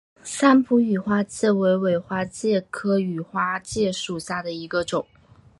三浦羽花介为尾花介科羽花介属下的一个种。